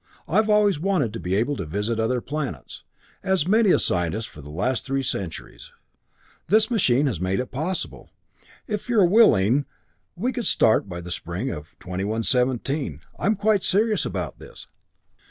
I've always wanted to be able to visit other planets as has many a scientist for the last three centuries. This machine has made it possible. If you are willing we could start by the spring of 2117. I'm quite serious about this.